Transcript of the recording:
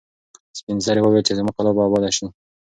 سپین سرې وویل چې زما کلا به اباده شي.